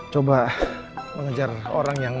coba mengejar orang yang